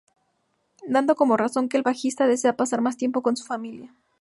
Dando como razón, que el bajista desea pasar más tiempo con su familia.